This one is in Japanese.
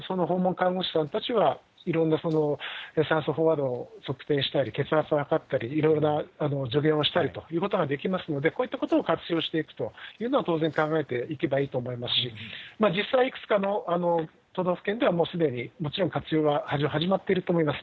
看護師さんたちは、いろんな酸素飽和度を測定したり、血圧測ったり、いろいろな助言をしたりということができますので、こういったことを活用していくというのは、当然考えていけばいいと思いますし、実際いくつかの都道府県ではもうすでにもちろん活用は始まっていると思います。